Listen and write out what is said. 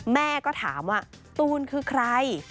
แม่ก็ถามว่าตูนคือใคร